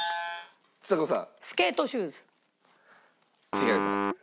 違います。